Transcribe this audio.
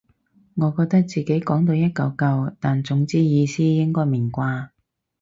我覺得自己講到一嚿嚿但總之意思應該明啩